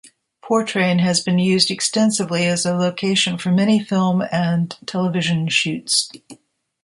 Portrane has been used extensively as a location for many film and television shoots.